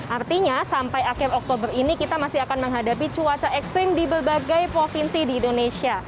artinya sampai akhir oktober ini kita masih akan menghadapi cuaca ekstrim di berbagai provinsi di indonesia